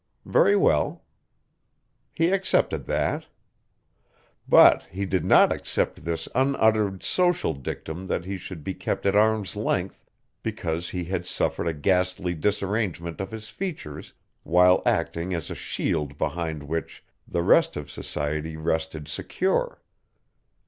Very well. He accepted that. But he did not accept this unuttered social dictum that he should be kept at arm's length because he had suffered a ghastly disarrangement of his features while acting as a shield behind which the rest of society rested secure.